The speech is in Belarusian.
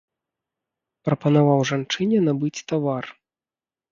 Прапанаваў жанчыне набыць тавар.